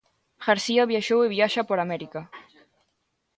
García viaxou e viaxa por América.